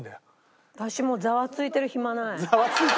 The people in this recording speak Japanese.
私もザワついてる暇ない。